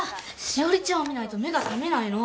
詩織ちゃんを見ないと目が覚めないの。